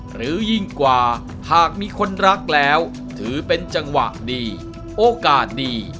ยิ่งกว่าหากมีคนรักแล้วถือเป็นจังหวะดีโอกาสดี